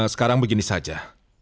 sekarang begini saja